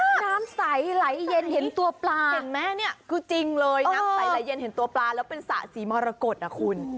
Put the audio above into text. น้ำใสไหลเย็นเห็นตัวปลาเห็นไหมเนี่ยคือจริงเลยน้ำใสไหลเย็นเห็นตัวปลาแล้วเป็นสระสีมรกฏนะคุณ